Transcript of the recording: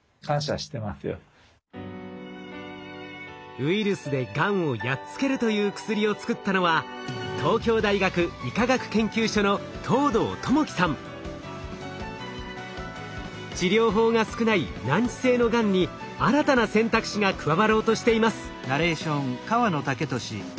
ウイルスでがんをやっつけるという薬を作ったのは治療法が少ない難治性のがんに新たな選択肢が加わろうとしています。